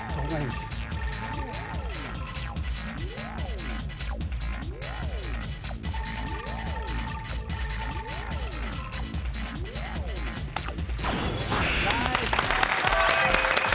すごーい！